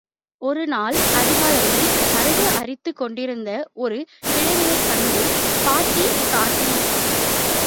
ஒருநாள் அதிகாலையில் சருகு அரித்துக் கொண்டிருந்த ஒரு கிழவியைக் கண்டு, பாட்டி காட்டி!